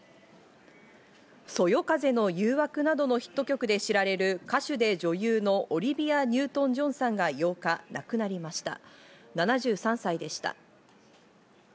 『そよ風の誘惑』などのヒット曲で知られる歌手で女優のオリビア・ニュートン＝ジョンさんが８日、亡くなりました。